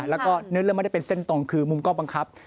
แล้วก็เนื้อเรื่องไม่ได้เป็นเส้นตรงคือมุมก็บังคับ